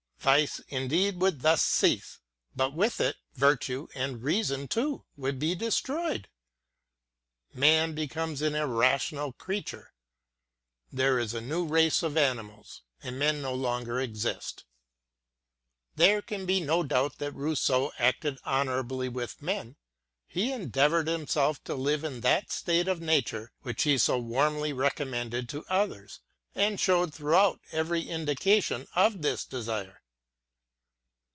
Vice, indeed, would thus cease; but with it, Virtue and Reason too would be destroyed. Man becomes an irrational creature ; there is a new race of animals, and men no longer exist. There can be no doubt that Rousseau acted honourably with men : he endeavoured himself to live in that State of Nature which he so warmly recommended to others, and showed throughout every indication of this desire.